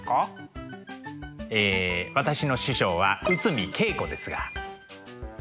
え私の師匠は内海桂子ですが。